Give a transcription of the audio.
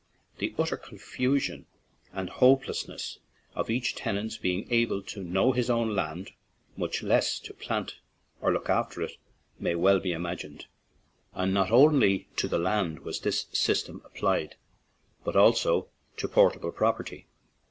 The utter confusion 4i ON AN IRISH JAUNTING CAR and the hopelessness of each tenant's being able to know his own land, much less to plant or look after it, may well be imagined. And not only to land was this system applied, but also to portable prop erty.